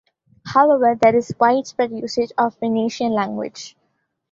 However, there is widespread usage of Venetian language.